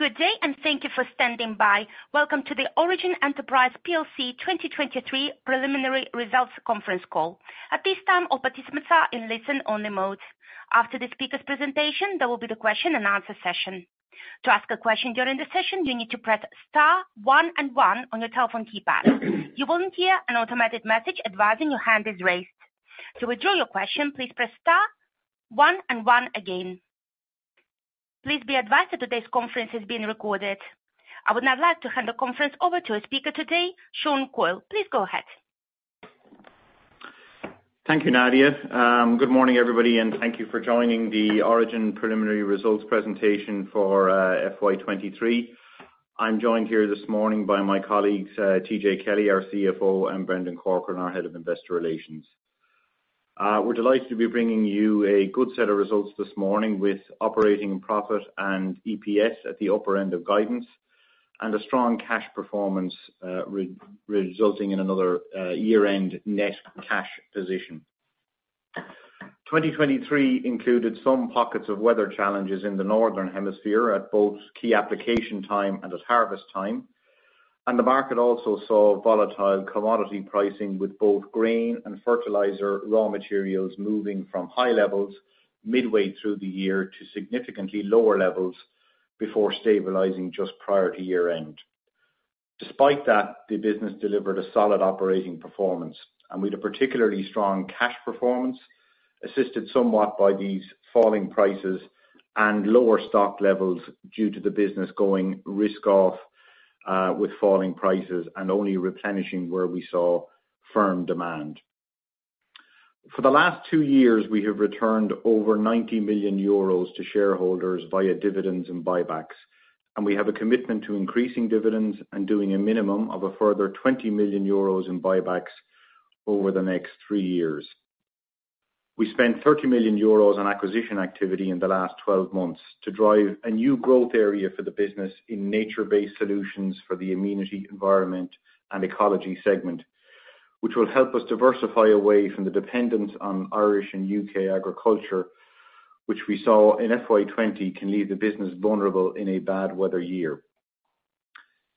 Good day, and thank you for standing by. Welcome to the Origin Enterprises Plc 2023 Preliminary Results Conference Call. At this time, all participants are in listen only mode. After the speaker's presentation, there will be the question and answer session. To ask a question during the session, you need to press star one and one on your telephone keypad. You will then hear an automatic message advising your hand is raised. To withdraw your question, please press star one and one again. Please be advised that today's conference is being recorded. I would now like to hand the conference over to a speaker today, Sean Coyle. Please go ahead. Thank you, Nadia. Good morning, everybody, and thank you for joining the Origin Preliminary Results Presentation for FY 2023. I'm joined here this morning by my colleagues, TJ Kelly, our CFO, and Brendan Corcoran, our Head of Investor Relations. We're delighted to be bringing you a good set of results this morning, with operating profit and EPS at the upper end of guidance, and a strong cash performance, resulting in another year-end net cash position. 2023 included some pockets of weather challenges in the northern hemisphere at both key application time and at harvest time. The market also saw volatile commodity pricing, with both grain and fertilizer raw materials moving from high levels midway through the year to significantly lower levels before stabilizing just prior to year-end. Despite that, the business delivered a solid operating performance and with a particularly strong cash performance, assisted somewhat by these falling prices and lower stock levels due to the business going risk-off with falling prices and only replenishing where we saw firm demand. For the last two years, we have returned over 90 million euros to shareholders via dividends and buybacks, and we have a commitment to increasing dividends and doing a minimum of a further 20 million euros in buybacks over the next three years. We spent 30 million euros on acquisition activity in the last 12 months to drive a new growth area for the business in nature-based solutions for the amenity environment and ecology segment, which will help us diversify away from the dependence on Irish and U.K. agriculture, which we saw in FY 2020 can leave the business vulnerable in a bad weather year.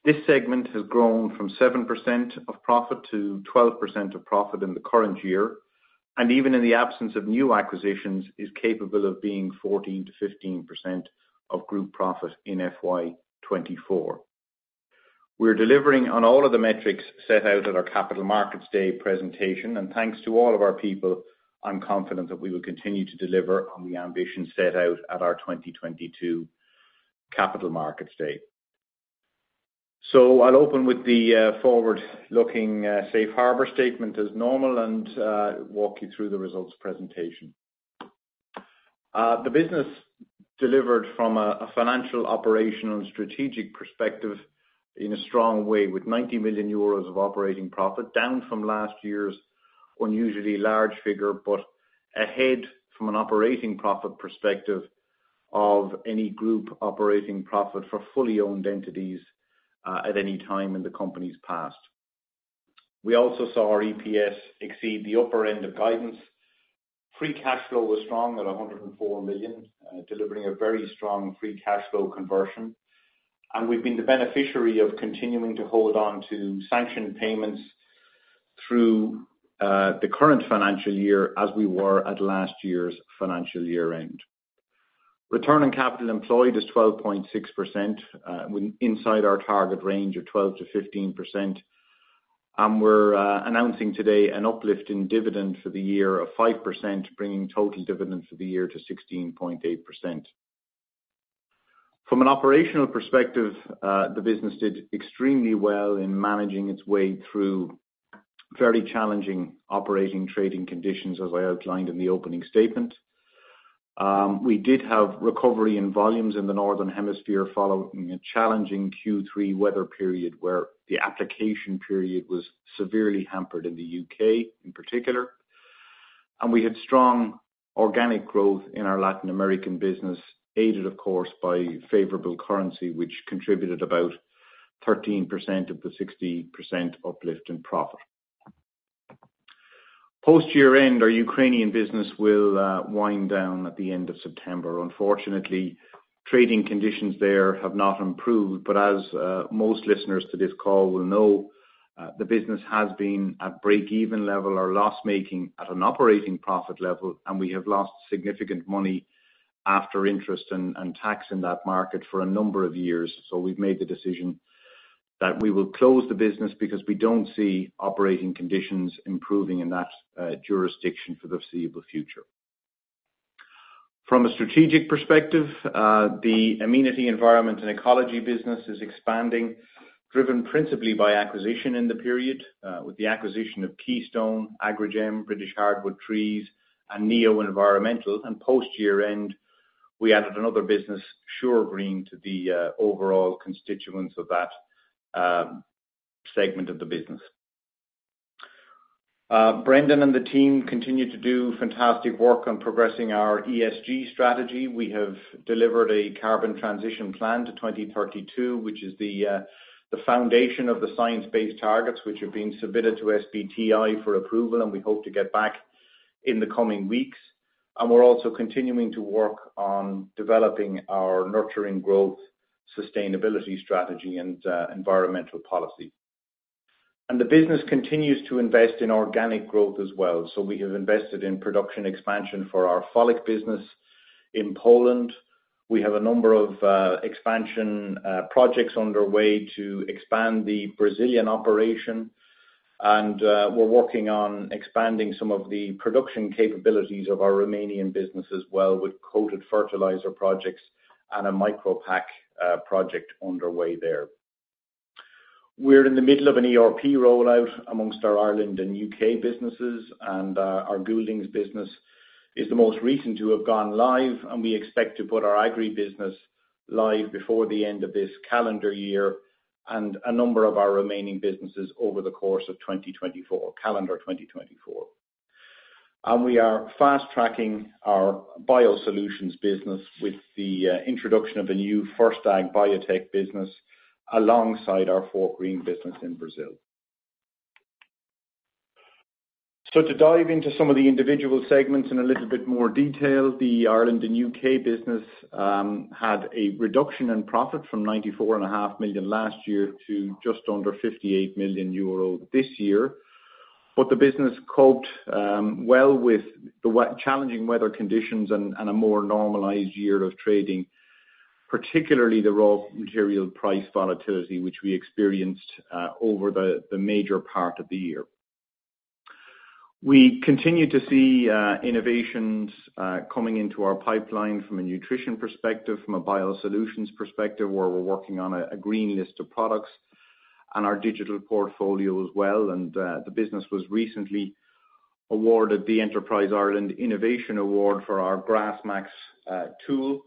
This segment has grown from 7% of profit to 12% of profit in the current year, and even in the absence of new acquisitions, is capable of being 14%-15% of group profit in FY 2024. We're delivering on all of the metrics set out at our Capital Markets Day presentation, and thanks to all of our people, I'm confident that we will continue to deliver on the ambition set out at our 2022 Capital Markets Day. So I'll open with the forward-looking safe harbor statement as normal and walk you through the results presentation. The business delivered from a financial, operational and strategic perspective in a strong way, with 90 million euros of operating profit, down from last year's unusually large figure, but ahead from an operating profit perspective of any group operating profit for fully owned entities at any time in the company's past. We also saw our EPS exceed the upper end of guidance. Free cash flow was strong at 104 million, delivering a very strong free cash flow conversion, and we've been the beneficiary of continuing to hold on to sanctioned payments through the current financial year as we were at last year's financial year-end. Return on capital employed is 12.6%, inside our target range of 12%-15%. We're announcing today an uplift in dividend for the year of 5%, bringing total dividends for the year to 16.8%. From an operational perspective, the business did extremely well in managing its way through very challenging operating trading conditions, as I outlined in the opening statement. We did have recovery in volumes in the northern hemisphere, following a challenging Q3 weather period, where the application period was severely hampered in the U.K. in particular. We had strong organic growth in our Latin American business, aided, of course, by favorable currency, which contributed about 13% of the 60% uplift in profit. Post year-end, our Ukrainian business will wind down at the end of September. Unfortunately, trading conditions there have not improved, but as most listeners to this call will know, the business has been at break-even level or loss-making at an operating profit level, and we have lost significant money after interest and tax in that market for a number of years. So we've made the decision that we will close the business because we don't see operating conditions improving in that jurisdiction for the foreseeable future. From a strategic perspective, the amenity environment and ecology business is expanding, driven principally by acquisition in the period, with the acquisition of Keystone, Agrigem, British Hardwood Trees, and Neo Environmental. Post year-end, we added another business, Suregreen, to the overall constituents of that segment of the business. Brendan and the team continue to do fantastic work on progressing our ESG strategy. We have delivered a carbon transition plan to 2032, which is the, the foundation of the Science Based Targets, which are being submitted to SBTi for approval, and we hope to get back in the coming weeks. And we're also continuing to work on developing our nurturing growth, sustainability strategy, and, environmental policy. And the business continues to invest in organic growth as well. So we have invested in production expansion for our FoliQ business in Poland. We have a number of, expansion, projects underway to expand the Brazilian operation, and, we're working on expanding some of the production capabilities of our Romanian business as well, with coated fertilizer projects and a micropack, project underway there. We're in the middle of an ERP rollout among our Ireland and U.K. businesses, and our Goulding's business is the most recent to have gone live, and we expect to put our agri business live before the end of this calendar year, and a number of our remaining businesses over the course of 2024, calendar 2024. We are fast tracking our biosolutions business with the introduction of the new F1rst Agbiotech business, alongside our Fortgreen business in Brazil. So to dive into some of the individual segments in a little bit more detail, the Ireland and U.K. business had a reduction in profit from 94.5 million last year to just under 58 million euro this year. But the business coped well with the challenging weather conditions and a more normalized year of trading, particularly the raw material price volatility, which we experienced over the major part of the year. We continue to see innovations coming into our pipeline from a nutrition perspective, from a biosolutions perspective, where we're working on a green list of products, and our digital portfolio as well. The business was recently awarded the Enterprise Ireland Innovation Award for our GrassMax tool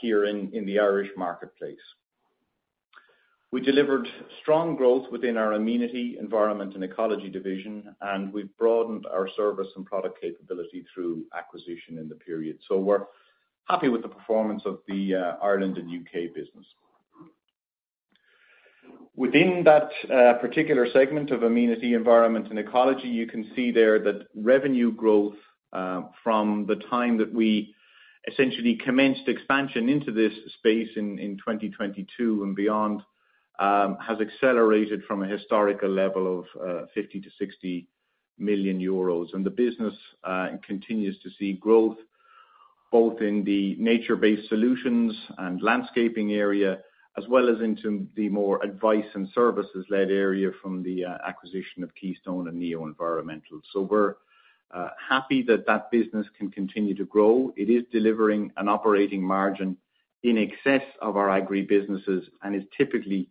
here in the Irish marketplace. We delivered strong growth within our amenity, environment, and ecology division, and we've broadened our service and product capability through acquisition in the period. So we're happy with the performance of the Ireland and U.K. business. Within that particular segment of amenity, environment, and ecology, you can see there that revenue growth from the time that we essentially commenced expansion into this space in 2022 and beyond has accelerated from a historical level of 50-60 million euros. The business continues to see growth, both in the nature-based solutions and landscaping area, as well as into the more advice and services-led area from the acquisition of Keystone and Neo Environmental. So we're happy that that business can continue to grow. It is delivering an operating margin in excess of our agri businesses and is typically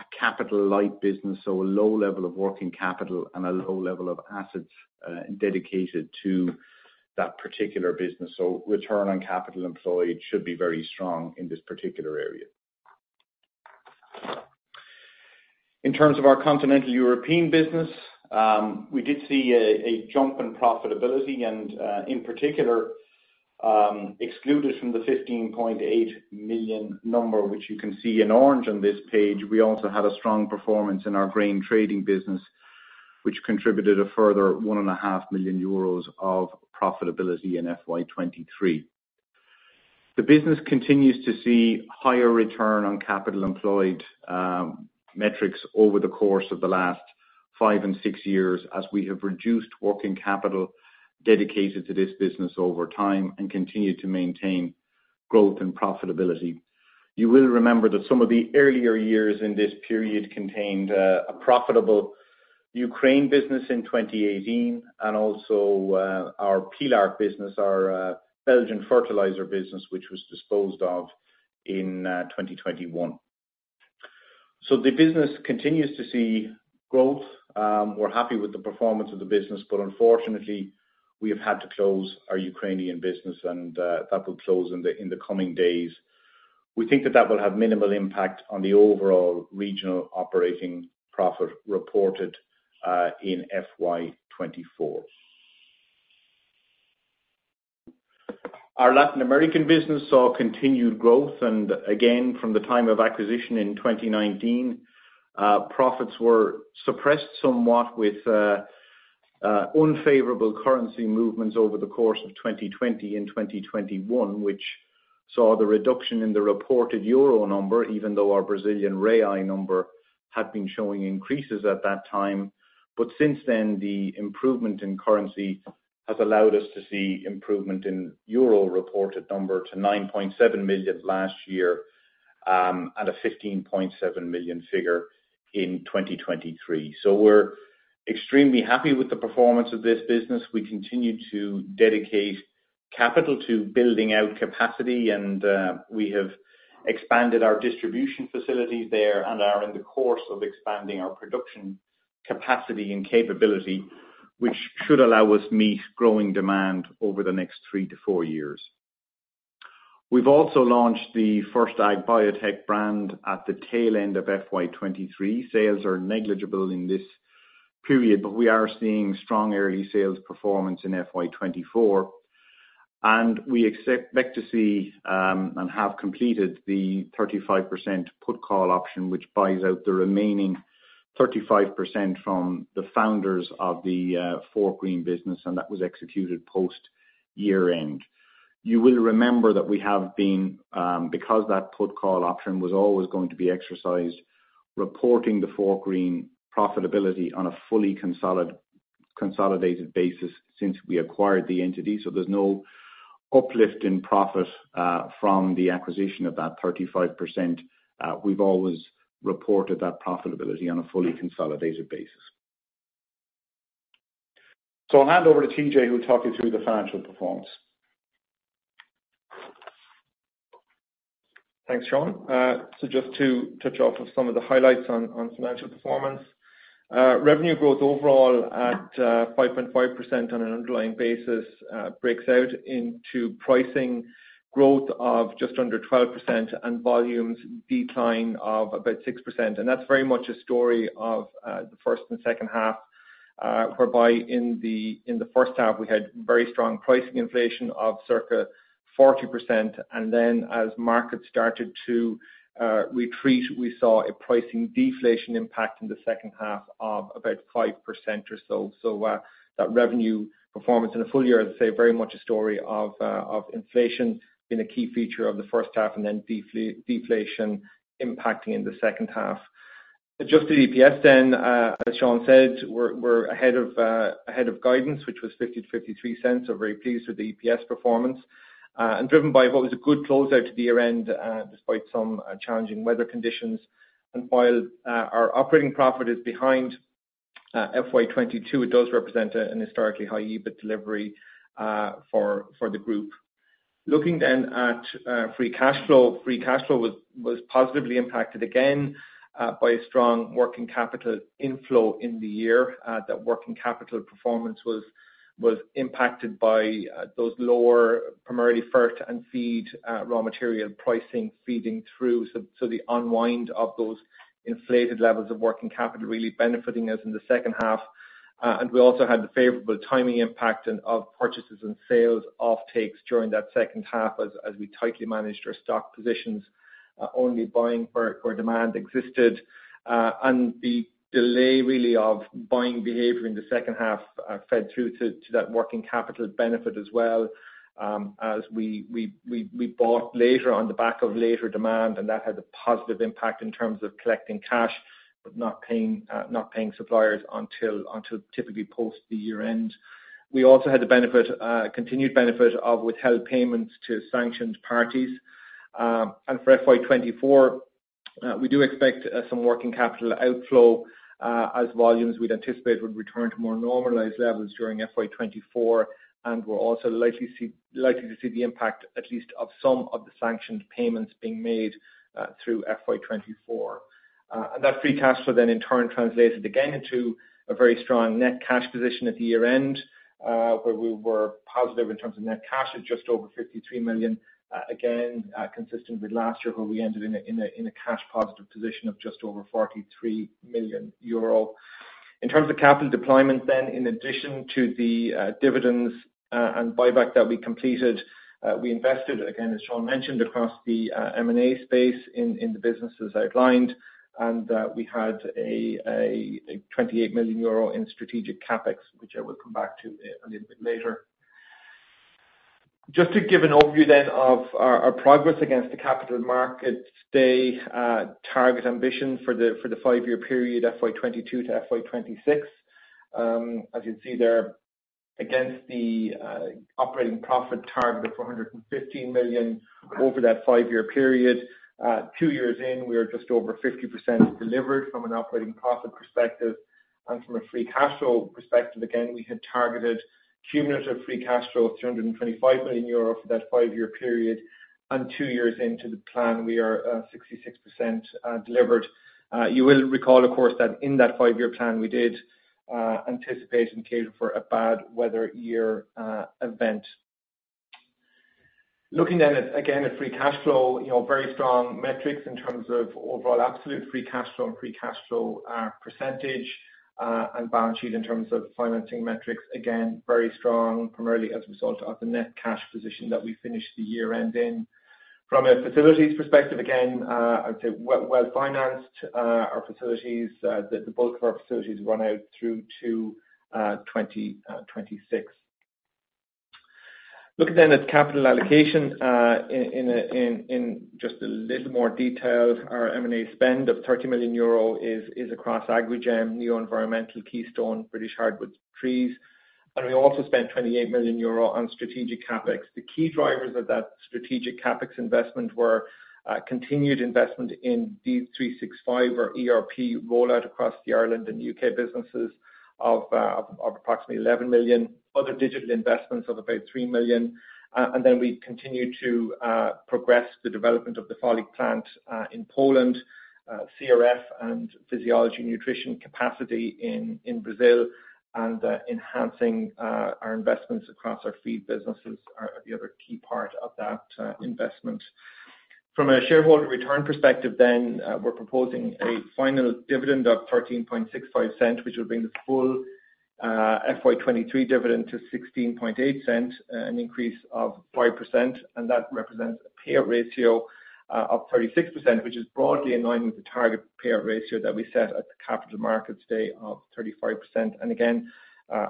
a capital-light business, so a low level of working capital and a low level of assets dedicated to that particular business. So return on capital employed should be very strong in this particular area. In terms of our continental European business, we did see a jump in profitability and, in particular, excluded from the 15.8 million number, which you can see in orange on this page. We also had a strong performance in our grain trading business, which contributed a further 1.5 million euros of profitability in FY 2023. The business continues to see higher return on capital employed metrics over the course of the last five and six years, as we have reduced working capital dedicated to this business over time and continued to maintain growth and profitability. You will remember that some of the earlier years in this period contained a profitable Ukraine business in 2018, and also our Pillaert business, our Belgian fertilizer business, which was disposed of in 2021. So the business continues to see growth. We're happy with the performance of the business, but unfortunately, we have had to close our Ukrainian business and that will close in the coming days. We think that that will have minimal impact on the overall regional operating profit reported in FY 2024. Our Latin American business saw continued growth, and again, from the time of acquisition in 2019, profits were suppressed somewhat with unfavorable currency movements over the course of 2020 and 2021, which saw the reduction in the reported euro number, even though our Brazilian real number had been showing increases at that time. But since then, the improvement in currency has allowed us to see improvement in euro reported number to 9.7 million last year, and a 15.7 million figure in 2023. So we're extremely happy with the performance of this business. We continue to dedicate capital to building out capacity, and we have expanded our distribution facilities there and are in the course of expanding our production capacity and capability, which should allow us meet growing demand over the next two to four years. We've also launched the F1rst Agbiotech brand at the tail end of FY 2023. Sales are negligible in this period, but we are seeing strong early sales performance in FY 2024. And we expect to see and have completed the 35% put call option, which buys out the remaining 35% from the founders of the Fortgreen business, and that was executed post year-end. You will remember that we have been, because that put/call option was always going to be exercised, reporting the Fortgreen profitability on a fully consolidated basis since we acquired the entity. So there's no uplift in profit from the acquisition of that 35%. We've always reported that profitability on a fully consolidated basis. So I'll hand over to TJ, who will talk you through the financial performance. Thanks, Sean. So just to touch off on some of the highlights on, on financial performance. Revenue growth overall at 5.5% on an underlying basis, breaks out into pricing growth of just under 12% and volumes decline of about 6%. And that's very much a story of the first and second half, whereby in the first half, we had very strong pricing inflation of circa 40%. And then as markets started to retreat, we saw a pricing deflation impact in the second half of about 5% or so. So, that revenue performance in a full year, as I say, very much a story of inflation being a key feature of the first half and then deflation impacting in the second half. Adjusted EPS then, as Sean said, we're ahead of guidance, which was 0.50-0.53. We're very pleased with the EPS performance and driven by what was a good close out to the year-end, despite some challenging weather conditions. While our operating profit is behind FY 2022, it does represent an historically high EBIT delivery for the group. Looking then at free cash flow. Free cash flow was positively impacted again by a strong working capital inflow in the year. That working capital performance was impacted by those lower, primarily fert and feed, raw material pricing feeding through. So the unwind of those inflated levels of working capital really benefiting us in the second half. and we also had the favorable timing impact and of purchases and sales offtakes during that second half, as we tightly managed our stock positions, only buying where demand existed. And the delay really of buying behavior in the second half, fed through to that working capital benefit as well, as we bought later on the back of later demand, and that had a positive impact in terms of collecting cash, but not paying suppliers until typically post the year-end. We also had the benefit, continued benefit of withheld payments to sanctioned parties. And for FY 2024, we do expect some working capital outflow, as volumes we'd anticipate would return to more normalized levels during FY 2024, and we're also likely to see the impact, at least of some of the sanctioned payments being made through FY 2024. And that free cash flow then in turn translated again into a very strong net cash position at the year-end, where we were positive in terms of net cash of just over 53 million. Again, consistent with last year, where we ended in a cash positive position of just over 43 million euro. In terms of capital deployment then, in addition to the dividends and buyback that we completed, we invested, again, as Sean mentioned, across the M&A space in the businesses outlined. We had 28 million euro in strategic CapEx, which I will come back to a little bit later. Just to give an overview then of our progress against the capital markets day target ambition for the five-year period, FY 2022 to FY 2026. As you'd see there, against the operating profit target of 415 million over that five-year period, two years in, we are just over 50% delivered from an operating profit perspective. And from a free cash flow perspective, again, we had targeted cumulative free cash flow of 325 million euro for that five-year period, and two years into the plan, we are 66% delivered. You will recall, of course, that in that five-year plan, we did anticipate and cater for a bad weather year event. Looking then at, again, at free cash flow, you know, very strong metrics in terms of overall absolute free cash flow and free cash flow percentage, and balance sheet in terms of financing metrics, again, very strong, primarily as a result of the net cash position that we finished the year-end in. From a facilities perspective, again, I'd say well, well-financed, our facilities, the bulk of our facilities run out through to 2026. Looking then at capital allocation, in just a little more detail. Our M&A spend of 30 million euro is across Agrigem, Neo Environmental, Keystone, British Hardwood Tree Nursery, and we also spent 28 million euro on strategic CapEx. The key drivers of that strategic CapEx investment were continued investment in D365 or ERP rollout across the Ireland and U.K. businesses of approximately 11 million. Other digital investments of about 3 million, and then we continued to progress the development of the FoliQ plant in Poland, CRF and physiological nutrition capacity in Brazil, and enhancing our investments across our feed businesses are the other key part of that investment. From a shareholder return perspective then, we're proposing a final dividend of 0.1365, which will bring the full FY 2023 dividend to 0.168, an increase of 5%, and that represents a payout ratio of 36%, which is broadly in line with the target payout ratio that we set at the capital markets day of 35%.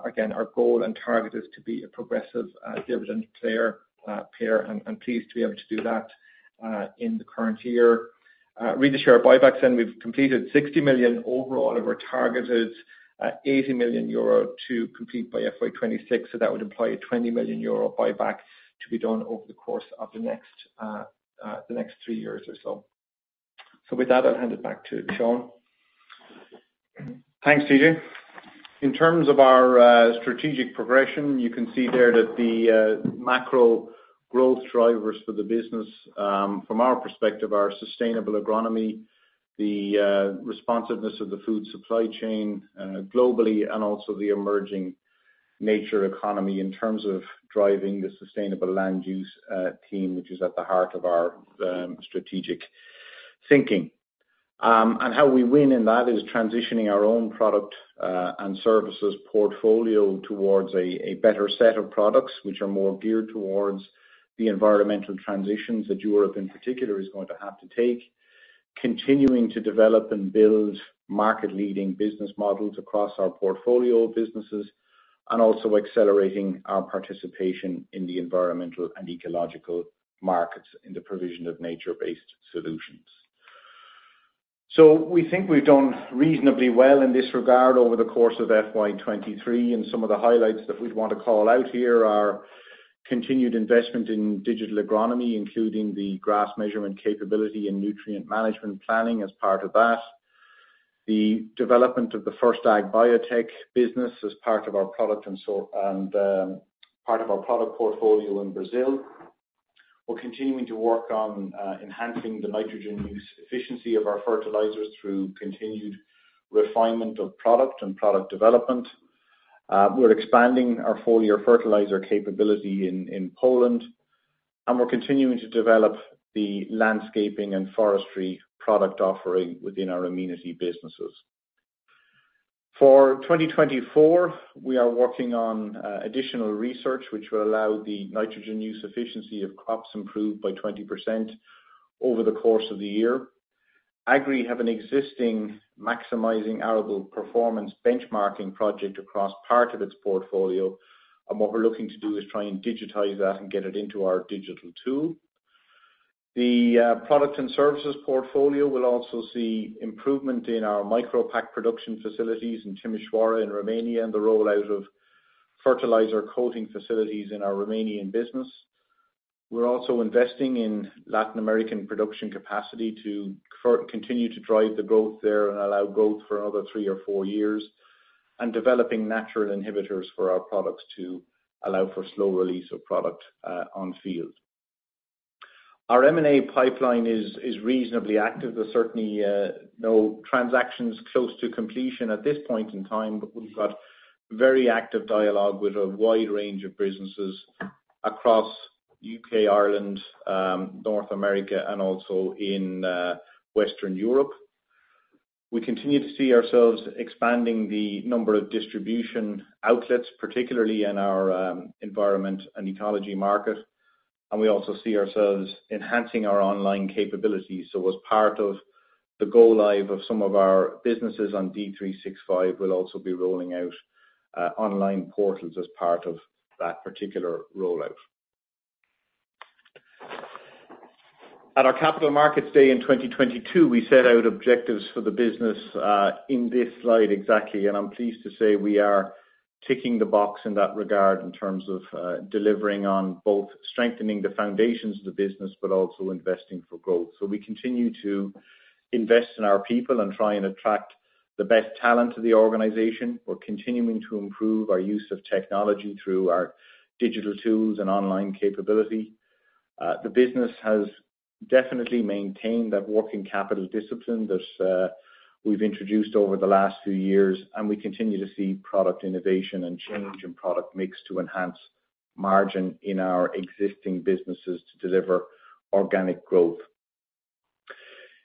Again, our goal and target is to be a progressive, dividend player, payer. I'm pleased to be able to do that in the current year. Re the share buybacks, and we've completed 60 million overall of our targeted 80 million euro to complete by FY 2026. So that would imply a 20 million euro buyback to be done over the course of the next, the next three years or so. So with that, I'll hand it back to Sean. Thanks, TJ. In terms of our strategic progression, you can see there that the macro growth drivers for the business, from our perspective, are sustainable agronomy, the responsiveness of the food supply chain, globally, and also the emerging nature economy in terms of driving the sustainable land use theme, which is at the heart of our strategic thinking. And how we win in that is transitioning our own product and services portfolio towards a better set of products, which are more geared towards the environmental transitions that Europe, in particular, is going to have to take. Continuing to develop and build market-leading business models across our portfolio of businesses, and also accelerating our participation in the environmental and ecological markets in the provision of nature-based solutions. So we think we've done reasonably well in this regard over the course of FY 2023, and some of the highlights that we'd want to call out here are: continued investment in digital agronomy, including the grass measurement capability and nutrient management planning as part of that. The development of the F1rst Agbiotech business as part of our product portfolio in Brazil. We're continuing to work on enhancing the nitrogen use efficiency of our fertilizers through continued refinement of product and product development. We're expanding our full-year fertilizer capability in Poland, and we're continuing to develop the landscaping and forestry product offering within our amenity businesses. For 2024, we are working on additional research, which will allow the nitrogen use efficiency of crops improved by 20% over the course of the year. Agrii have an existing Maximising Arable Performance benchmarking project across part of its portfolio, and what we're looking to do is try and digitize that and get it into our digital tool. The product and services portfolio will also see improvement in our micro pack production facilities in Timișoara, in Romania, and the rollout of fertilizer coating facilities in our Romanian business. We're also investing in Latin American production capacity to continue to drive the growth there and allow growth for another three or four years, and developing natural inhibitors for our products to allow for slow release of product on field. Our M&A pipeline is, is reasonably active. There's certainly no transactions close to completion at this point in time, but we've got very active dialogue with a wide range of businesses across U.K., Ireland, North America, and also in Western Europe. We continue to see ourselves expanding the number of distribution outlets, particularly in our environment and ecology market, and we also see ourselves enhancing our online capabilities. So as part of the go live of some of our businesses on D365, we'll also be rolling out online portals as part of that particular rollout. At our Capital Markets Day in 2022, we set out objectives for the business in this slide. Exactly, and I'm pleased to say we are ticking the box in that regard in terms of delivering on both strengthening the foundations of the business but also investing for growth. So we continue to invest in our people and try and attract the best talent to the organization. We're continuing to improve our use of technology through our digital tools and online capability. The business has definitely maintained that working capital discipline that we've introduced over the last few years, and we continue to see product innovation and change in product mix to enhance margin in our existing businesses to deliver organic growth.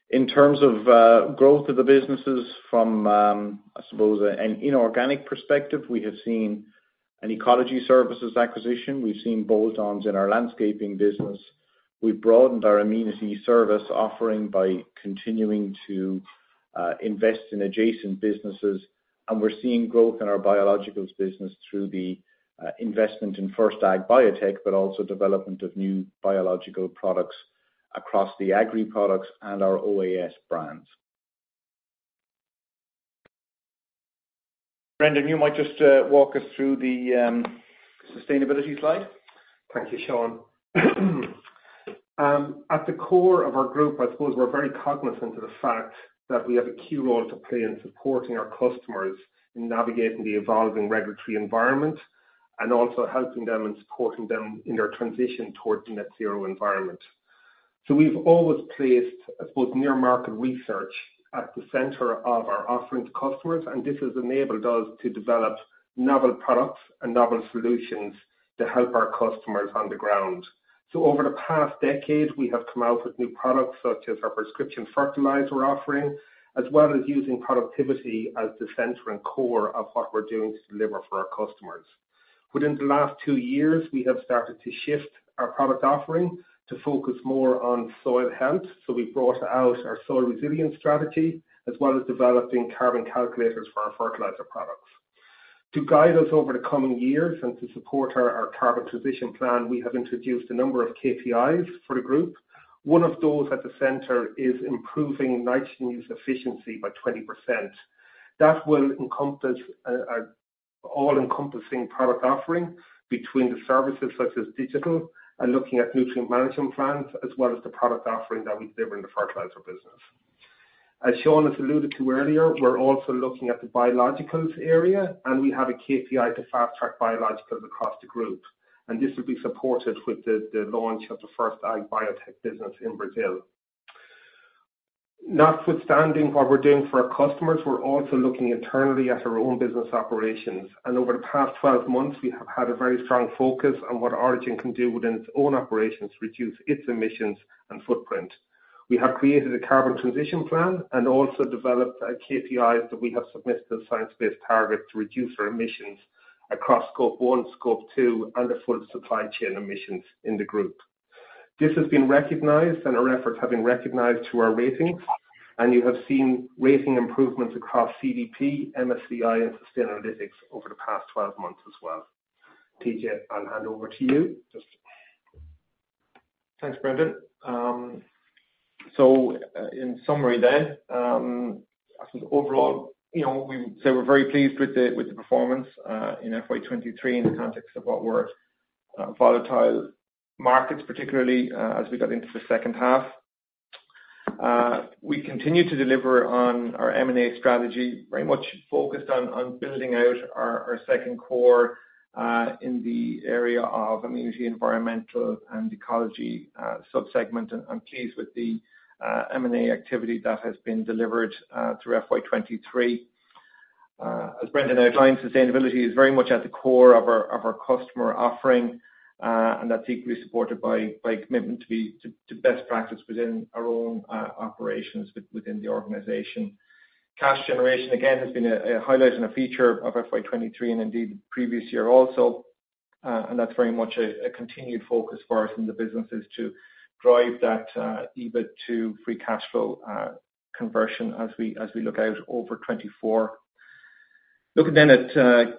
In terms of growth of the businesses from, I suppose, an inorganic perspective, we have seen an ecology services acquisition. We've seen bolt-ons in our landscaping business. We've broadened our amenity service offering by continuing to invest in adjacent businesses, and we're seeing growth in our biologicals business through the investment in F1rst Agbiotech, but also development of new biological products across the agri products and our OAS brands. Brendan, you might just walk us through the sustainability slide. Thank you, Sean. At the core of our group, I suppose we're very cognizant of the fact that we have a key role to play in supporting our customers in navigating the evolving regulatory environment, and also helping them and supporting them in their transition towards a net zero environment. So we've always placed, I suppose, near market research at the center of our offering to customers, and this has enabled us to develop novel products and novel solutions to help our customers on the ground. So over the past decade, we have come out with new products, such as our prescription fertilizer offering, as well as using productivity as the center and core of what we're doing to deliver for our customers. Within the last two years, we have started to shift our product offering to focus more on soil health, so we brought out our soil resilience strategy, as well as developing carbon calculators for our fertilizer products. To guide us over the coming years and to support our, our carbon transition plan, we have introduced a number of KPIs for the group. One of those at the center is improving nitrogen use efficiency by 20%. That will encompass a all-encompassing product offering between the services such as digital and looking at nutrient management plans, as well as the product offering that we deliver in the fertilizer business. As Sean has alluded to earlier, we're also looking at the biologicals area, and we have a KPI to fast-track biologicals across the group, and this will be supported with the launch of the F1rst Agbiotech business in Brazil. Notwithstanding what we're doing for our customers, we're also looking internally at our own business operations, and over the past 12 months, we have had a very strong focus on what Origin can do within its own operations to reduce its emissions and footprint. We have created a carbon transition plan and also developed a KPI that we have submitted to the Science-Based Targets to reduce our emissions across Scope One, Scope Two, and the full supply chain emissions in the group. This has been recognized, and our efforts have been recognized to our ratings, and you have seen rating improvements across CDP, MSCI, and Sustainalytics over the past 12 months as well. TJ, I'll hand over to you. Just- Thanks, Brendan. So, in summary then, I think overall, you know, we say we're very pleased with the performance in FY 2023, in the context of what were volatile markets, particularly as we got into the second half. We continued to deliver on our M&A strategy, very much focused on building out our second core in the area of amenity, environmental, and ecology sub-segment. And I'm pleased with the M&A activity that has been delivered through FY 2023. As Brendan outlined, sustainability is very much at the core of our customer offering, and that's equally supported by commitment to best practice within our own operations within the organization. Cash generation, again, has been a highlight and a feature of FY 2023 and indeed the previous year also, and that's very much a continued focus for us in the business, is to drive that EBIT to free cash flow conversion as we look out over 2024. Looking then at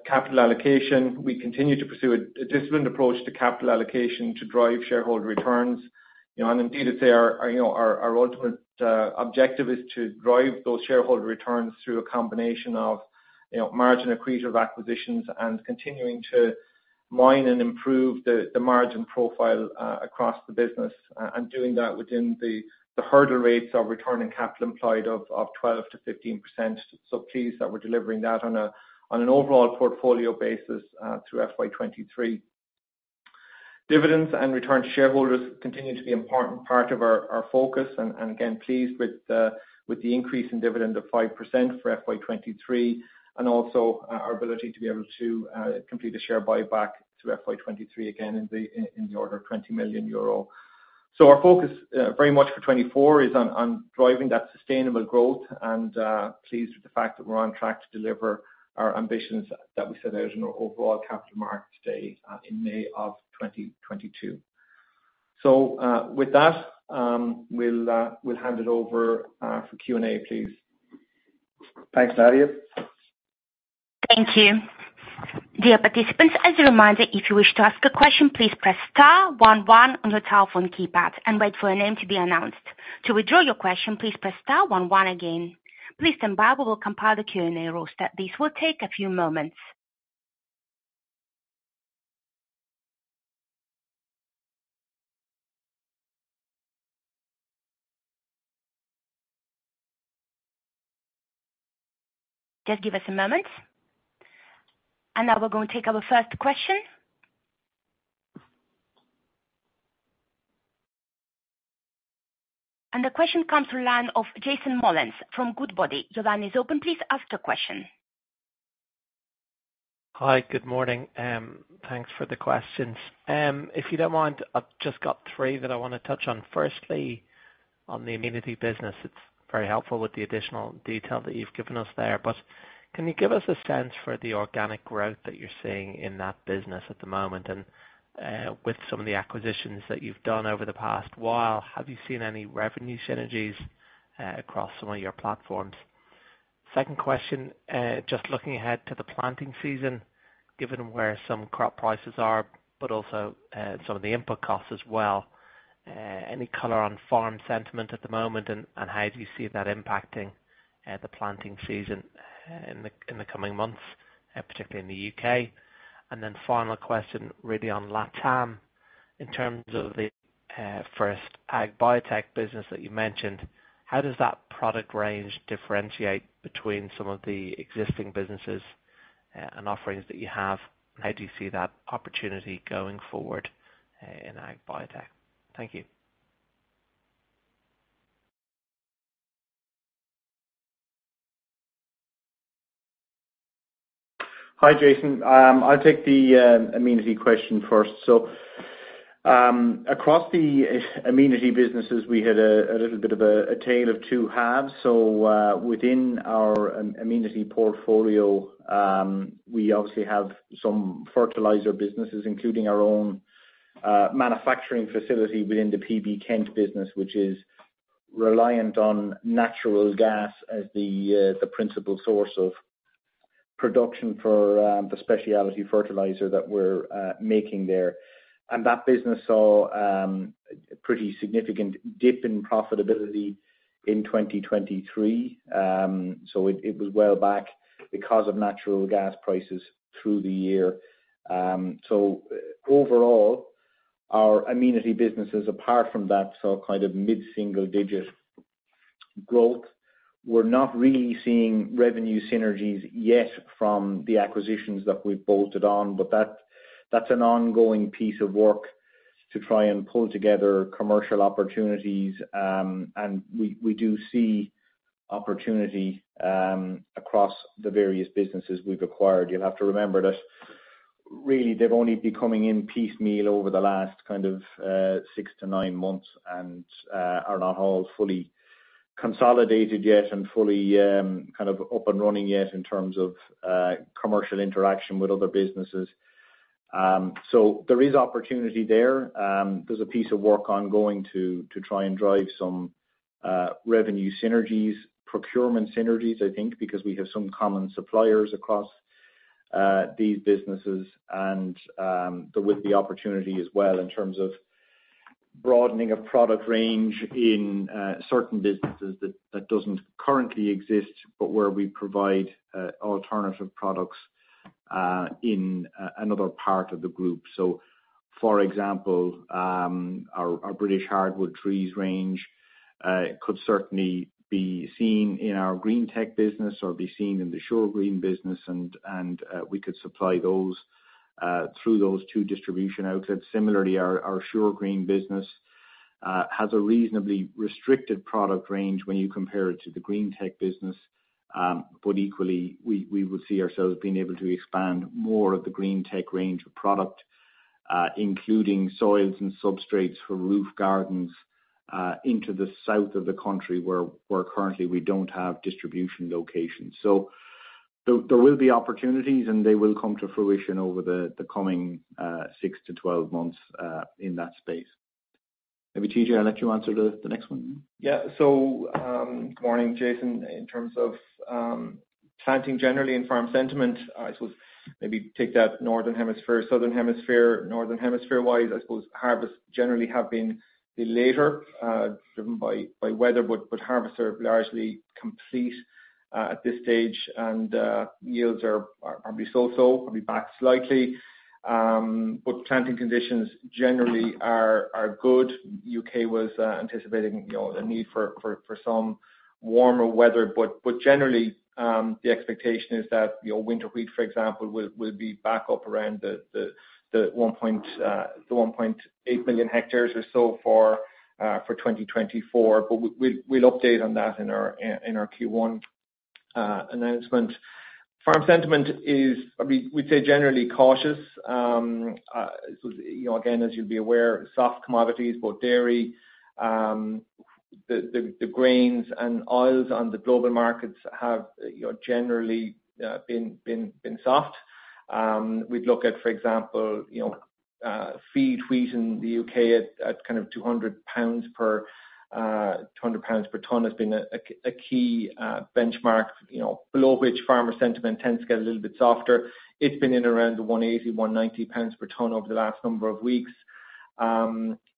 capital allocation, we continue to pursue a disciplined approach to capital allocation to drive shareholder returns. You know, and indeed, as say our, you know, our, our ultimate objective is to drive those shareholder returns through a combination of, you know, margin accretive acquisitions and continuing to mine and improve the margin profile across the business. And doing that within the hurdle rates of returning capital employed of 12%-15%. So pleased that we're delivering that on a, on an overall portfolio basis, through FY 2023. Dividends and return to shareholders continue to be important part of our, our focus, and, and again, pleased with the, with the increase in dividend of 5% for FY 2023, and also, our ability to be able to, complete a share buyback through FY 2023, again, in the, in, in the order of 20 million euro. So our focus, very much for 2024, is on, on driving that sustainable growth, and, pleased with the fact that we're on track to deliver our ambitions that we set out in our overall capital markets day, in May of 2022. So, with that, we'll, we'll hand it over, for Q&A, please. Thanks, Nadia. Thank you. Dear participants, as a reminder, if you wish to ask a question, please press star one one on your telephone keypad and wait for your name to be announced. To withdraw your question, please press star one one again. Please stand by. We will compile the Q&A roster. This will take a few moments. Just give us a moment. Now we're going to take our first question. The question comes from the line of Jason Molins from Goodbody. Your line is open. Please ask your question. Hi, good morning. Thanks for the questions. If you don't mind, I've just got three that I want to touch on. Firstly, on the amenity business, it's very helpful with the additional detail that you've given us there, but can you give us a sense for the organic growth that you're seeing in that business at the moment? And, with some of the acquisitions that you've done over the past while, have you seen any revenue synergies across some of your platforms? Second question, just looking ahead to the planting season, given where some crop prices are, but also some of the input costs as well, any color on farm sentiment at the moment, and how do you see that impacting the planting season in the coming months, particularly in the U.K.? Then final question, really on LatAm. In terms of the F1rst Agbiotech business that you mentioned, how does that product range differentiate between some of the existing businesses, and offerings that you have? How do you see that opportunity going forward, in Agbiotech? Thank you. Hi, Jason. I'll take the amenity question first. So, across the amenity businesses, we had a little bit of a tale of two halves. So, within our amenity portfolio, we obviously have some fertilizer businesses, including our own manufacturing facility within the PB Kent business, which is reliant on natural gas as the principal source of production for the specialty fertilizer that we're making there. And that business saw a pretty significant dip in profitability in 2023. So it was well back because of natural gas prices through the year. So overall, our amenity businesses, apart from that, saw kind of mid-single digit growth. We're not really seeing revenue synergies yet from the acquisitions that we've bolted on, but that, that's an ongoing piece of work to try and pull together commercial opportunities. And we do see opportunity across the various businesses we've acquired. You'll have to remember that really, they've only been coming in piecemeal over the last kind of six to nine months and are not all fully consolidated yet and fully kind of up and running yet in terms of commercial interaction with other businesses. So there is opportunity there. There's a piece of work ongoing to try and drive some revenue synergies, procurement synergies, I think, because we have some common suppliers across these businesses. There will be opportunity as well in terms of broadening of product range in certain businesses that doesn't currently exist, but where we provide alternative products in another part of the group. So, for example, our British Hardwood Tree Nursery range could certainly be seen in our Green-tech business or be seen in the Suregreen business, and we could supply those through those two distribution outlets. Similarly, our Suregreen business has a reasonably restricted product range when you compare it to the Green-tech business. But equally, we would see ourselves being able to expand more of the Green-tech range of product, including soils and substrates for roof gardens, into the south of the country, where currently we don't have distribution locations. So there will be opportunities, and they will come to fruition over the coming 6-12 months in that space. Maybe, TJ, I'll let you answer the next one. Yeah. So, good morning, Jason. In terms of planting generally and farm sentiment, I suppose maybe take that Northern Hemisphere, Southern Hemisphere. Northern Hemisphere-wise, I suppose harvests generally have been a later, driven by, by weather, but, but harvests are largely complete at this stage. And yields are, are probably so-so, probably back slightly. But planting conditions generally are, are good. U.K. was anticipating, you know, a need for, for, for some warmer weather. But, but generally, the expectation is that, you know, winter wheat, for example, will, will be back up around the, the, the 1.8 billion hectares or so for 2024. But we'll, we'll update on that in our, in, in our Q1 announcement. Farm sentiment is, I mean, we'd say generally cautious. So, you know, again, as you'd be aware, soft commodities, both dairy, the grains and oils on the global markets have, you know, generally, been soft. We'd look at, for example, you know, feed wheat in the U.K. at kind of 200 pounds per tonne has been a key benchmark, you know, below which farmer sentiment tends to get a little bit softer. It's been in around the 180-190 pounds per tonne over the last number of weeks.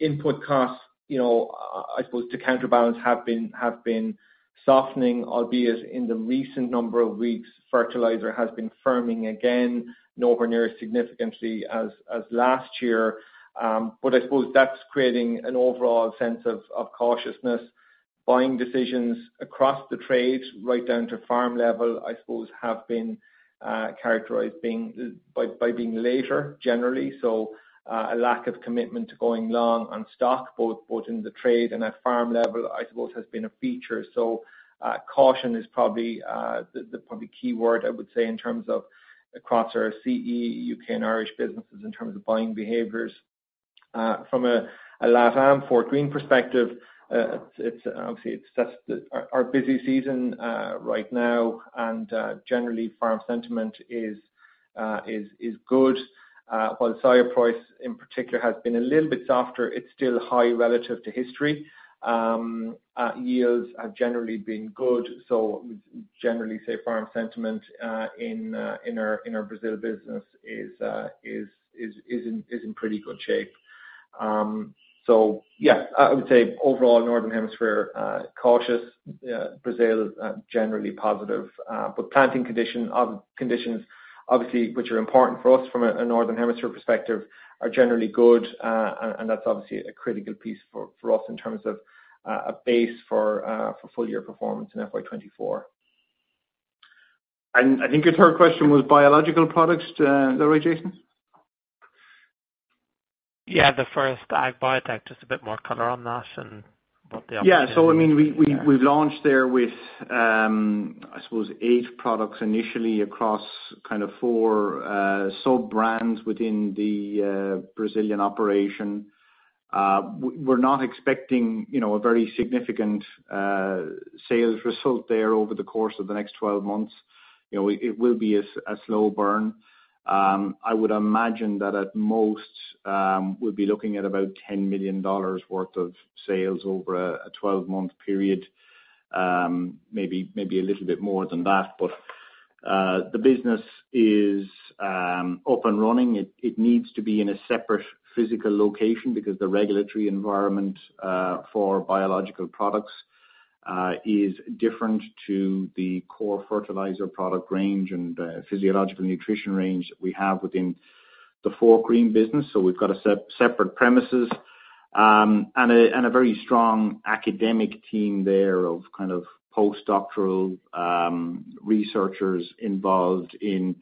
Input costs, you know, I suppose to counterbalance, have been softening, albeit in the recent number of weeks, fertilizer has been firming again, nowhere near as significantly as last year. But I suppose that's creating an overall sense of cautiousness. Buying decisions across the trades, right down to farm level, I suppose, have been characterized by being later generally. So, a lack of commitment to going long on stock, both in the trade and at farm level, I suppose, has been a feature. So, caution is probably the probably key word I would say in terms of across our CE, U.K., and Irish businesses in terms of buying behaviors. From a LatAm Fortgreen perspective, it's obviously that's the... Our busy season right now, and generally, farm sentiment is good. While the soy price in particular has been a little bit softer, it's still high relative to history. Yields have generally been good, so generally, say, farm sentiment in our Brazil business is in pretty good shape. So yeah, I would say overall, Northern Hemisphere cautious, Brazil generally positive. But planting conditions, obviously, which are important for us from a Northern Hemisphere perspective, are generally good. And that's obviously a critical piece for us in terms of a base for full year performance in FY 2024. I think your third question was biological products, is that right, Jason? Yeah, the F1rst Agbiotech, just a bit more color on that and what the opportunity- Yeah. So I mean, we've launched there with, I suppose, eight products initially across kind of four sub-brands within the Brazilian operation. We're not expecting, you know, a very significant sales result there over the course of the next 12 months. You know, it will be a slow burn. I would imagine that at most, we'd be looking at about $10 million worth of sales over a 12-month period. Maybe a little bit more than that. But the business is up and running. It needs to be in a separate physical location because the regulatory environment for biological products is different to the core fertilizer product range and the physiological nutrition range that we have within the Fortgreen business. So we've got a separate premises and a very strong academic team there of kind of postdoctoral researchers involved in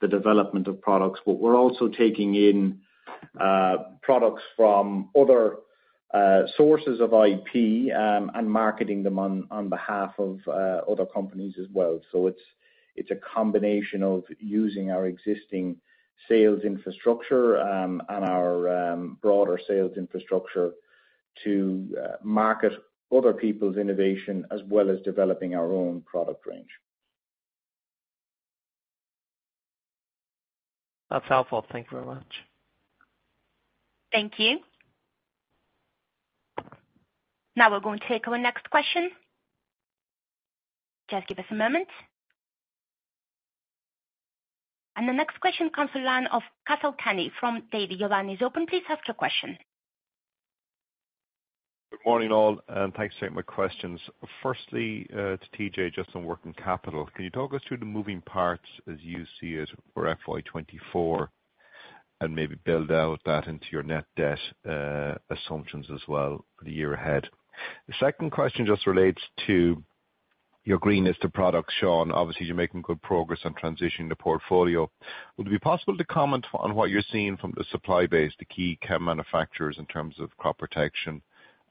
the development of products. But we're also taking in products from other sources of IP and marketing them on behalf of other companies as well. So it's a combination of using our existing sales infrastructure and our broader sales infrastructure to market other people's innovation, as well as developing our own product range. That's helpful. Thank you very much. Thank you. Now, we're going to take our next question. Just give us a moment. The next question comes the line of Cathal Kenny from Davy. Giovanni is open, please ask your question. Good morning, all, and thanks for taking my questions. Firstly, to TJ, just on working capital. Can you talk us through the moving parts as you see it for FY 2024, and maybe build out that into your net debt assumptions as well for the year ahead? The second question just relates to your greenest of products, Sean. Obviously, you're making good progress on transitioning the portfolio. Would it be possible to comment on what you're seeing from the supply base, the key chem manufacturers, in terms of crop protection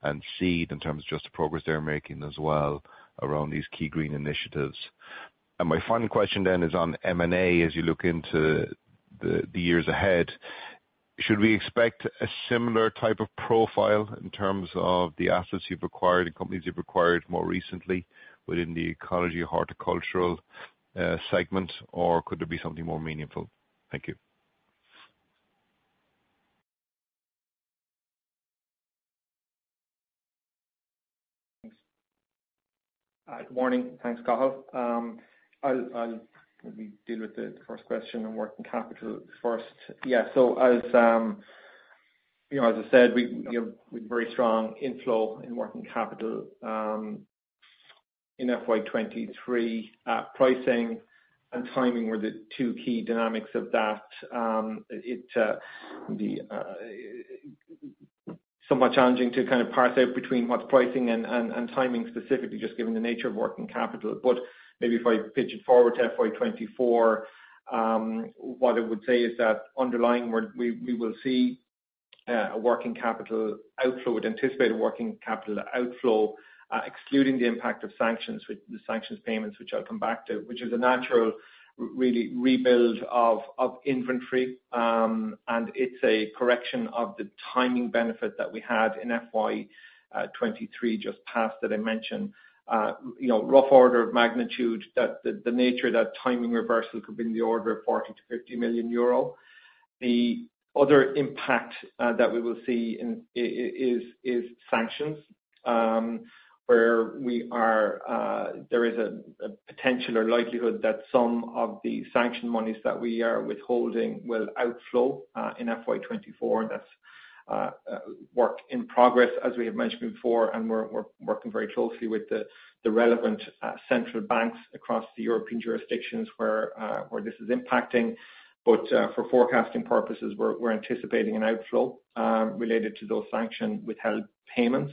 and seed, in terms of just the progress they're making as well around these key green initiatives? My final question then is on M&A as you look into the years ahead. Should we expect a similar type of profile in terms of the assets you've acquired and companies you've acquired more recently within the ecology horticultural segment, or could there be something more meaningful? Thank you. Thanks. Good morning. Thanks, Cathal. I'll maybe deal with the first question on working capital first. Yeah, so as you know, as I said, we you know, with very strong inflow in working capital in FY 2023, pricing and timing were the two key dynamics of that. It the somewhat challenging to kind of parse out between what's pricing and and timing specifically, just given the nature of working capital. But maybe if I pitch it forward to FY 2024, what I would say is that underlying we're we will see a working capital outflow. We'd anticipate a working capital outflow excluding the impact of sanctions, with the sanctions payments, which I'll come back to, which is a natural really rebuild of inventory. And it's a correction of the timing benefit that we had in FY 2023, just past that I mentioned. You know, rough order of magnitude, that the nature of that timing reversal could be in the order of 40 million-50 million euro. The other impact that we will see in is sanctions, where we are, there is a potential or likelihood that some of the sanction monies that we are withholding will outflow in FY 2024. That's work in progress, as we have mentioned before, and we're working very closely with the relevant central banks across the European jurisdictions where this is impacting. But for forecasting purposes, we're anticipating an outflow related to those sanction withheld payments.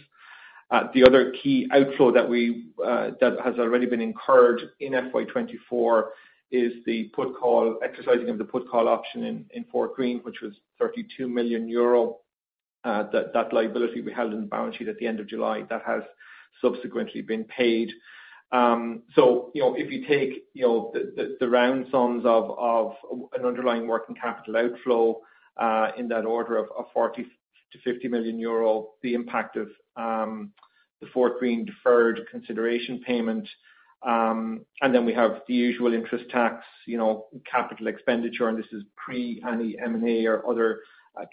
The other key outflow that we, that has already been incurred in FY 2024 is the put call, exercising of the put call option in, in Fortgreen, which was 32 million euro. That, that liability we held in the balance sheet at the end of July, that has subsequently been paid. So, you know, if you take, you know, the round sums of an underlying working capital outflow, in that order of 40 million-50 million euro, the impact of the Fortgreen deferred consideration payment. And then we have the usual interest tax, you know, capital expenditure, and this is pre any M&A or other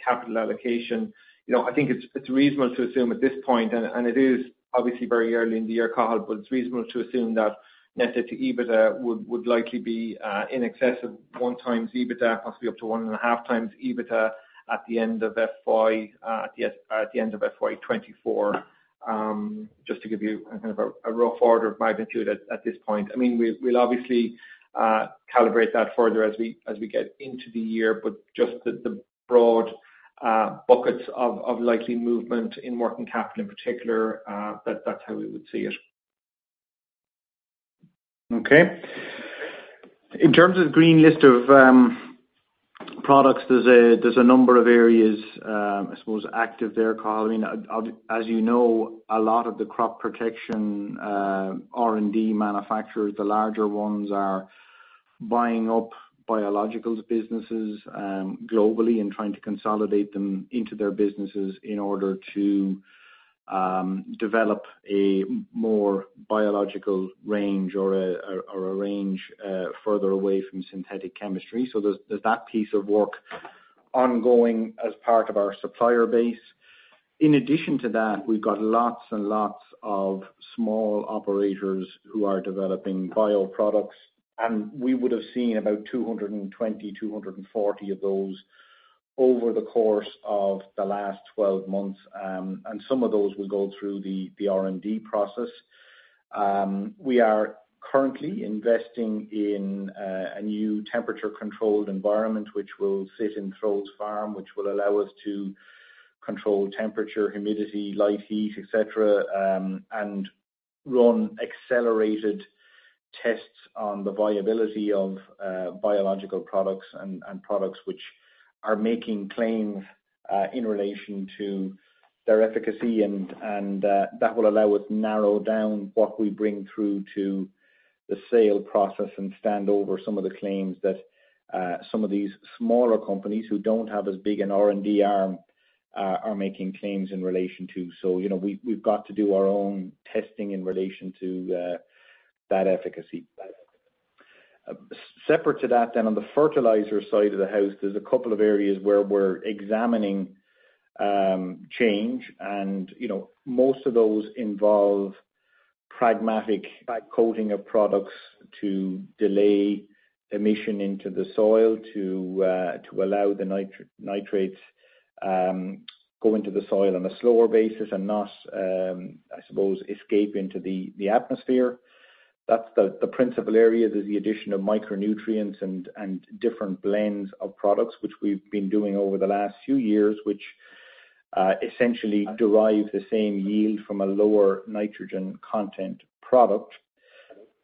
capital allocation. You know, I think it's reasonable to assume at this point, and it is obviously very early in the year, Cathal, but it's reasonable to assume that net debt to EBITDA would likely be in excess of 1x EBITDA, possibly up to 1.5x EBITDA, at the end of FY 2024. Just to give you kind of a rough order of magnitude at this point. I mean, we'll obviously calibrate that further as we get into the year, but just the broad buckets of likely movement in working capital in particular, that's how we would see it. Okay. In terms of green list of products, there's a number of areas I suppose active there, Cathal. I mean, as you know, a lot of the crop protection R&D manufacturers, the larger ones, are buying up biologicals businesses globally and trying to consolidate them into their businesses in order to develop a more biological range or a range further away from synthetic chemistry. So there's that piece of work ongoing as part of our supplier base. In addition to that, we've got lots and lots of small operators who are developing bioproducts, and we would've seen about 220, 240 of those over the course of the last 12 months. And some of those will go through the R&D process. We are currently investing in a new temperature-controlled environment, which will sit in Throws Farm, which will allow us to control temperature, humidity, light, heat, et cetera, and run accelerated tests on the viability of biological products and products which are making claims in relation to their efficacy. That will allow us to narrow down what we bring through to the sale process and stand over some of the claims that some of these smaller companies who don't have as big an R&D arm are making claims in relation to. So, you know, we've got to do our own testing in relation to that efficacy. Separate to that, then on the fertilizer side of the house, there's a couple of areas where we're examining change. You know, most of those involve pragmatic coating of products to delay emission into the soil to allow the nitrates go into the soil on a slower basis and not, I suppose, escape into the atmosphere. That's the principal area. There's the addition of micronutrients and different blends of products which we've been doing over the last few years, which essentially derive the same yield from a lower nitrogen content product.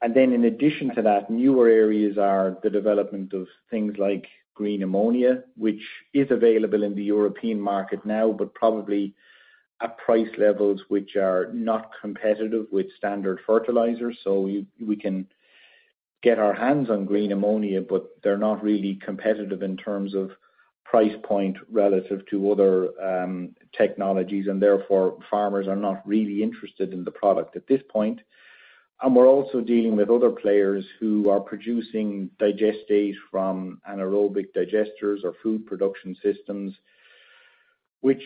And then in addition to that, newer areas are the development of things like green ammonia, which is available in the European market now, but probably at price levels which are not competitive with standard fertilizers. So we can get our hands on Green Ammonia, but they're not really competitive in terms of price point relative to other technologies, and therefore farmers are not really interested in the product at this point. And we're also dealing with other players who are producing digestate from anaerobic digesters or food production systems, which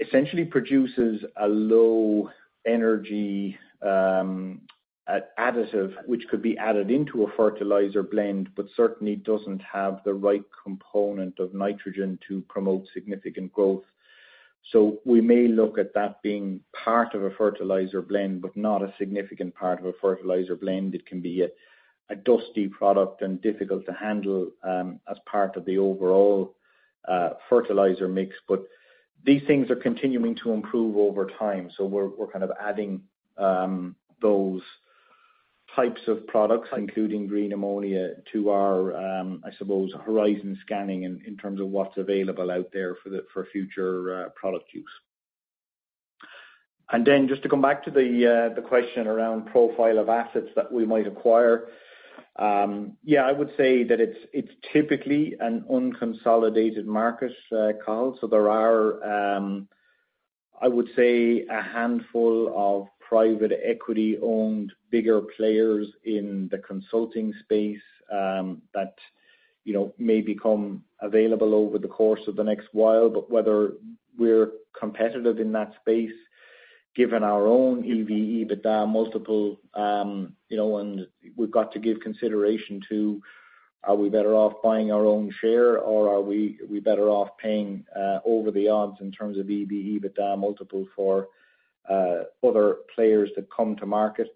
essentially produces a low energy additive, which could be added into a fertilizer blend, but certainly doesn't have the right component of nitrogen to promote significant growth. So we may look at that being part of a fertilizer blend, but not a significant part of a fertilizer blend. It can be a dusty product and difficult to handle as part of the overall fertilizer mix. But these things are continuing to improve over time, so we're kind of adding those types of products, including green ammonia, to our, I suppose, horizon scanning in terms of what's available out there for future product use. And then just to come back to the question around profile of assets that we might acquire. Yeah, I would say that it's typically an unconsolidated market, Cathal. So there are, I would say, a handful of private equity-owned bigger players in the consulting space that, you know, may become available over the course of the next while. But whether we're competitive in that space, given our own EV/EBITDA multiple, you know, and we've got to give consideration to, are we better off buying our own share or are we better off paying over the odds in terms of EV/EBITDA multiple for other players that come to market?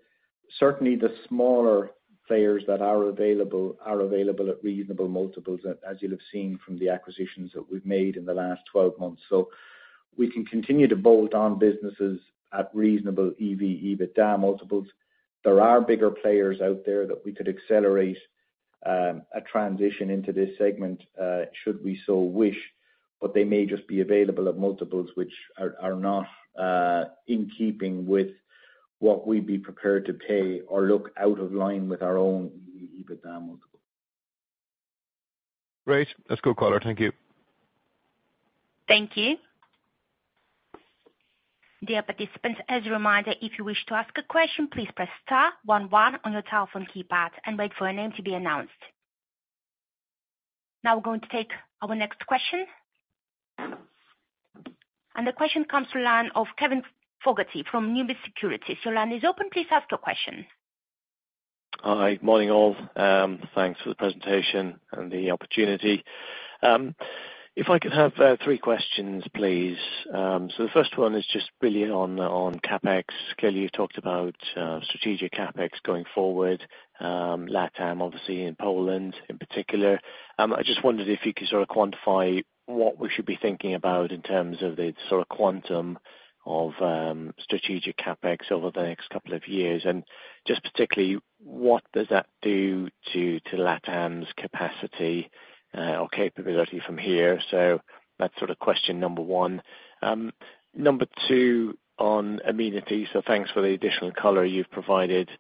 Certainly, the smaller players that are available at reasonable multiples, as you'll have seen from the acquisitions that we've made in the last 12 months. So we can continue to bolt on businesses at reasonable EV/EBITDA multiples. There are bigger players out there that we could accelerate a transition into this segment should we so wish, but they may just be available at multiples which are not in keeping with what we'd be prepared to pay or look out of line with our own EV/EBITDA multiples. Great! Let's go, caller. Thank you. Thank you. Dear participants, as a reminder, if you wish to ask a question, please press star one one on your telephone keypad and wait for your name to be announced. Now we're going to take our next question. The question comes to the line of Kevin Fogarty from Numis Securities. Your line is open. Please ask your question. Hi. Morning, all. Thanks for the presentation and the opportunity. If I could have three questions, please. So the first one is just really on CapEx. Kelly, you talked about strategic CapEx going forward, LatAm, obviously, and Poland in particular. I just wondered if you could sort of quantify what we should be thinking about in terms of the sort of quantum of strategic CapEx over the next couple of years, and just particularly. What does that do to LatAm's capacity or capability from here? So that's sort of question number one. Number two, on Amenity. So thanks for the additional color you've provided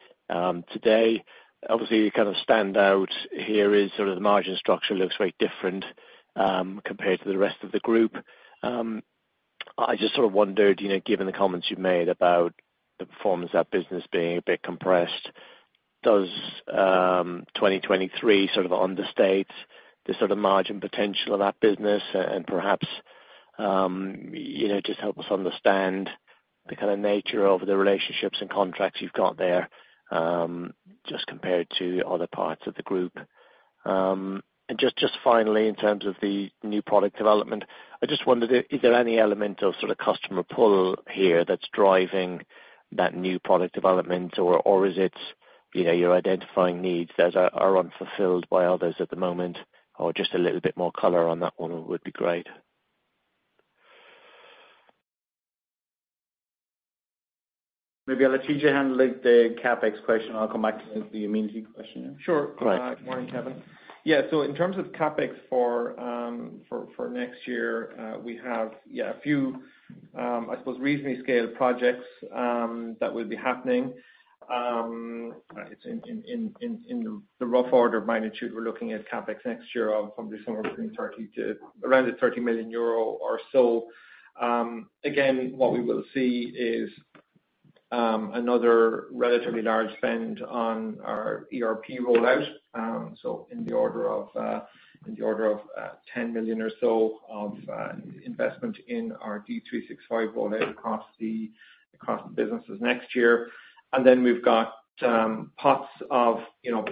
today. Obviously, the kind of stand out here is sort of the margin structure looks very different compared to the rest of the group. I just sort of wondered, you know, given the comments you've made about the performance of that business being a bit compressed, does 2023 sort of understate the sort of margin potential of that business? And perhaps, you know, just help us understand the kind of nature of the relationships and contracts you've got there, just compared to other parts of the group. And just, just finally, in terms of the new product development, I just wondered, is there any element of sort of customer pull here that's driving that new product development? Or, or is it, you know, you're identifying needs that are, are unfulfilled by others at the moment, or just a little bit more color on that one would be great. Maybe I'll let TJ handle the CapEx question, and I'll come back to the amenity question. Sure. Great. Morning, Kevin. Yeah, so in terms of CapEx for next year, we have, yeah, a few, I suppose reasonably scaled projects that will be happening. In the rough order of magnitude, we're looking at CapEx next year of somewhere between 30 million euro to around 30 million euro or so. Again, what we will see is another relatively large spend on our ERP rollout. So in the order of 10 million or so of investment in our D365 rollout across the businesses next year. And then we've got pots of, you know,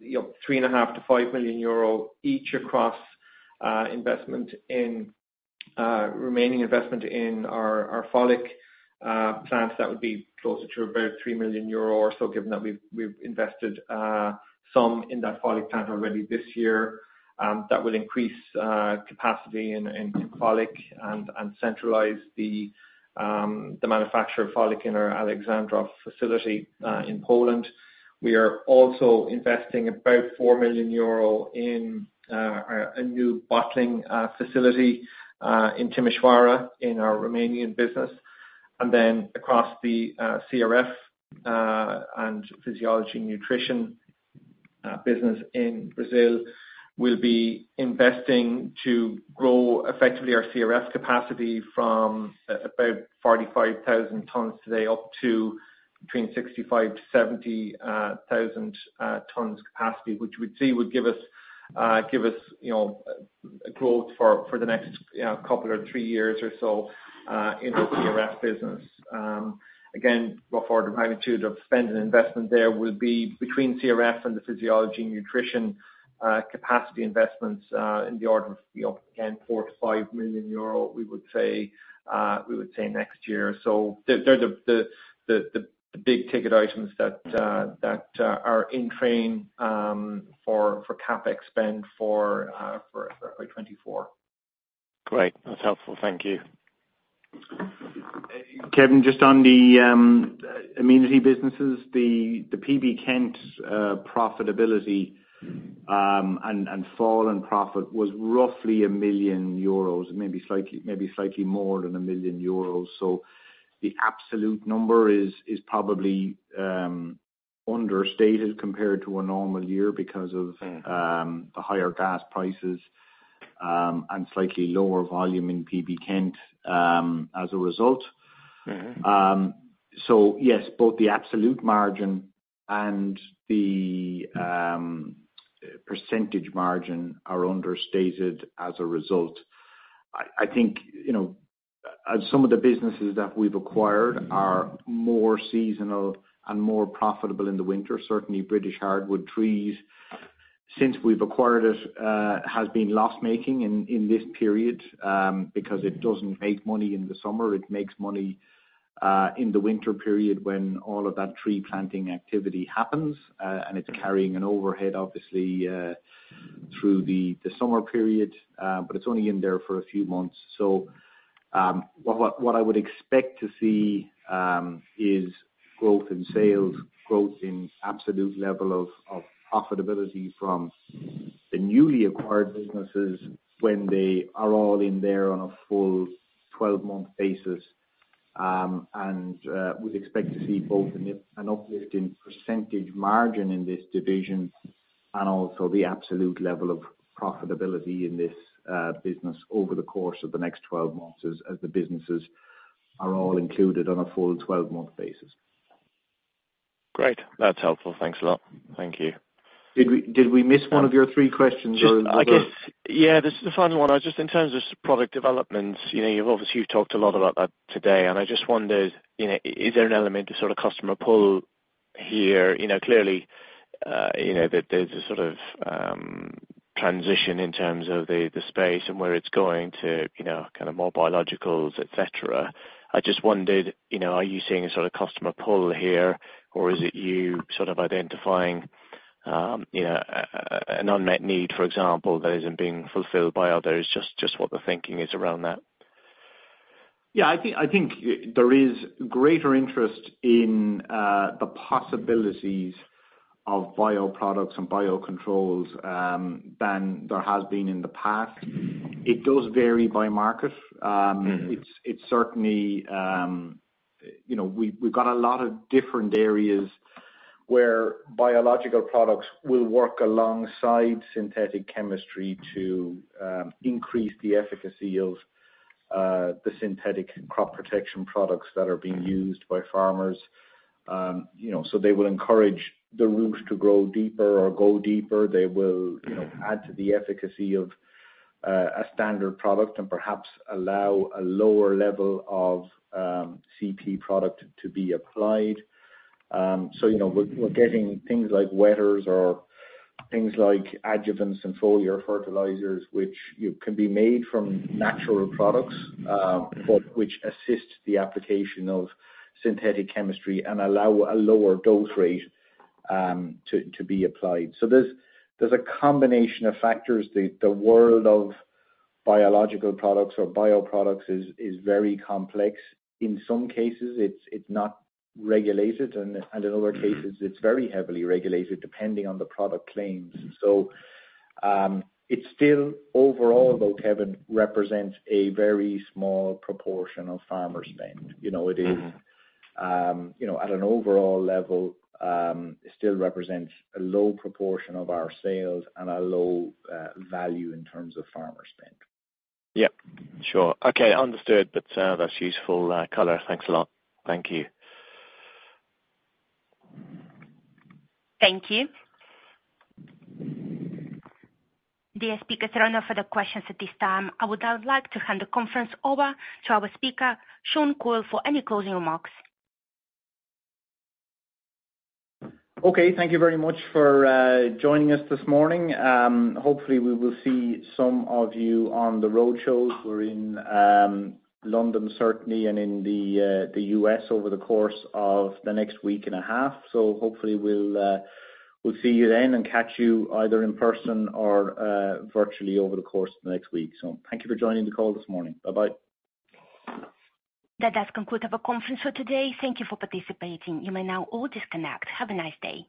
3.5 million-5 million euro each, across investment in remaining investment in our FoliQ plants. That would be closer to about 3 million euro or so, given that we've invested some in that FoliQ plant already this year. That will increase capacity in FoliQ and centralize the manufacture of FoliQ in our Aleksandrów facility in Poland. We are also investing about 4 million euro in a new bottling facility in Timișoara, in our Romanian business. And then across the CRF and physiological nutrition business in Brazil, we'll be investing to grow effectively our CRF capacity from about 45,000 tons today, up to between 65,000-70,000 tons capacity. Which we'd see would give us, you know, growth for the next, you know, couple or three years or so in the CRF business. Again, rough order of magnitude of spend and investment there would be between CRF and the physiology and nutrition capacity investments in the order of, you know, again, 4-5 million euro, we would say, we would say next year. So they're the big-ticket items that that are in train for CapEx spend for 2024. Great. That's helpful. Thank you. Kevin, just on the Amenity businesses, the PB Kent profitability and fall in profit was roughly 1 million euros, maybe slightly, maybe slightly more than 1 million euros. So the absolute number is probably understated compared to a normal year because of- Mm-hmm The higher gas prices, and slightly lower volume in PB Kent, as a result. Mm-hmm. So yes, both the absolute margin and the percentage margin are understated as a result. I think, you know, some of the businesses that we've acquired are more seasonal and more profitable in the winter. Certainly, British Hardwood Trees, since we've acquired it, has been loss-making in this period, because it doesn't make money in the summer. It makes money in the winter period when all of that tree planting activity happens, and it's carrying an overhead, obviously, through the summer period, but it's only in there for a few months. So, what I would expect to see is growth in sales, growth in absolute level of profitability from the newly acquired businesses when they are all in there on a full twelve-month basis. We'd expect to see both an uplift in percentage margin in this division and also the absolute level of profitability in this business over the course of the next 12 months, as the businesses are all included on a full 12-month basis. Great. That's helpful. Thanks a lot. Thank you. Did we miss one of your three questions or? Just, I guess, yeah, this is the final one. Just in terms of product development, you know, you've obviously you've talked a lot about that today, and I just wondered, you know, is there an element of sort of customer pull here? You know, clearly, you know, that there's a sort of transition in terms of the space and where it's going to, you know, kind of more biologicals, et cetera. I just wondered, you know, are you seeing a sort of customer pull here, or is it you sort of identifying, you know, an unmet need, for example, that isn't being fulfilled by others? Just what the thinking is around that. Yeah, I think, I think there is greater interest in the possibilities of bioproducts and biocontrols than there has been in the past. It does vary by market. It's certainly, you know, we've got a lot of different areas where biological products will work alongside synthetic chemistry to increase the efficacy of the synthetic crop protection products that are being used by farmers. You know, so they will encourage the roots to grow deeper or go deeper. They will, you know, add to the efficacy of a standard product and perhaps allow a lower level of CP product to be applied. So, you know, we're getting things like wetters or things like adjuvants and foliar fertilizers, which can be made from natural products, but which assist the application of synthetic chemistry and allow a lower dose rate to be applied. So there's a combination of factors. The world of biological products or bioproducts is very complex. In some cases, it's not regulated, and in other cases, it's very heavily regulated, depending on the product claims. So, it's still overall, though, Kevin, represents a very small proportion of farmer spend. You know, it is, you know, at an overall level, it still represents a low proportion of our sales and a low value in terms of farmer spend. Yep. Sure. Okay, understood. That's, that's useful color. Thanks a lot. Thank you. Thank you. Dear speakers, there are no further questions at this time. I would now like to hand the conference over to our speaker, Sean Coyle, for any closing remarks. Okay. Thank you very much for joining us this morning. Hopefully, we will see some of you on the road shows. We're in London, certainly, and in the U.S. over the course of the next week and a half. So hopefully we'll see you then and catch you either in person or virtually over the course of the next week. So thank you for joining the call this morning. Bye-bye. That does conclude our conference for today. Thank you for participating. You may now all disconnect. Have a nice day.